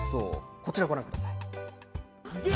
こちら、ご覧ください。